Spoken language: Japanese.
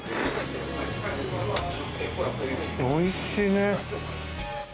おいしいね。